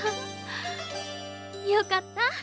よかった。